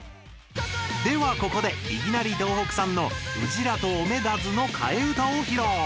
ではここでいぎなり東北産の「うぢらとおめだづ」の替え歌を披露！